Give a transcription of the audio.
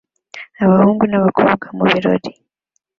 Abahungu n'abakobwa mu birori